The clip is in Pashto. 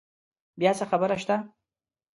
بیا څه خبره شته؟